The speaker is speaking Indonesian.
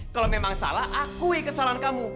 kalau memang salah akui kesalahan kamu